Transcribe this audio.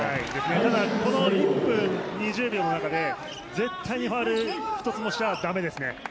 ただ、この１分２０秒の中で絶対にファウルを１つもしちゃ駄目ですね